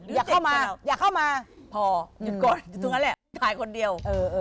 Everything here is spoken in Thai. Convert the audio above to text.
อย่าเข้ามาอย่าเข้ามาพอหยุดก่อนหยุดตรงนั้นแหละถ่ายคนเดียว